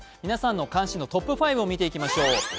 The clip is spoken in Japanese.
皆さんの関心度トップ５を見ていきましょう。